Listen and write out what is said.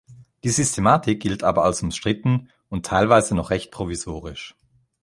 Die Systematik gilt aber als umstritten und teilweise noch recht provisorisch.